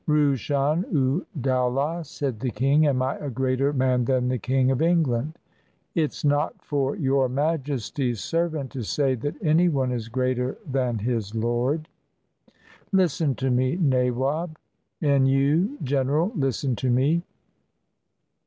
"Rushon u Dowlah," said the king, "am I a greater man than the King of England ?" "It's not for Your Majesty's servant to say that any one is greater than his lord." "Listen to me, nawab; and you, general, listen to me.